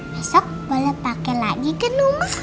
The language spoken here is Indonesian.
besok boleh pake lagi kan omah